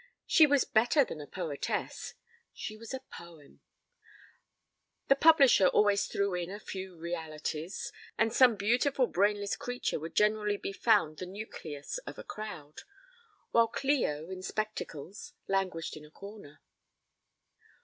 She was better than a poetess, she was a poem. The publisher always threw in a few realities, and some beautiful brainless creature would generally be found the nucleus of a crowd, while Clio in spectacles languished in a corner.